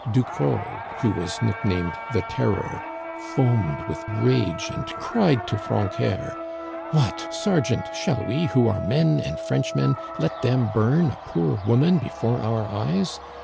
Ducros, who was nicknamed the< Terror, foamed with rage and cried to Francœur :* What ! sergeant, shall we, who are men and Frenchmen, let them bum a poor woman before our eyes